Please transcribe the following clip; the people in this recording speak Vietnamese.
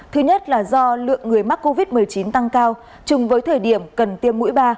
thứ nhất là do lượng người mắc covid một mươi chín tăng cao chung với thời điểm cần tiêm mũi ba